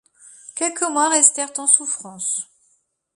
Quelques mois restèrent en souffrance.